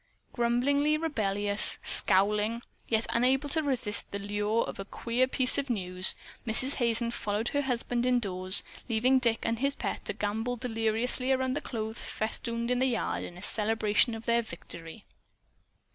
Grumbling, rebellious, scowling, yet unable to resist the lure of a "queer piece of news," Mrs. Hazen followed her husband indoors, leaving Dick and his pet to gambol deliriously around the clothes festooned yard in celebration of their victory.